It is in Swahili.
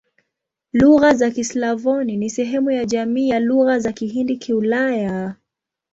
Lugha za Kislavoni ni sehemu ya jamii ya Lugha za Kihindi-Kiulaya.